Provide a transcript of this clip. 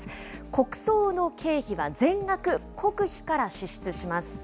国葬の経費は全額国費から支出します。